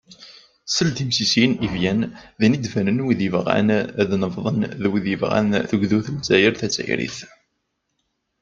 Seld imsisiyen n Evian, din i d-banen wid yebɣan ad nebḍen d wid yebɣan tugdut deg Lezzayer tazzayrit.